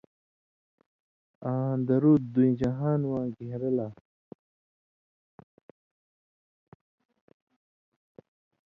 آں درُود دُویں جَہانواں گھین٘رہ لا